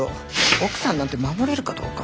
奥さんなんて守れるかどうか。